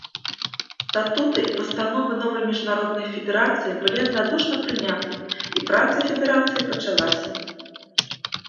Статуты і пастановы новай міжнароднай федэрацыі былі аднадушна прыняты, і праца федэрацыі пачалася.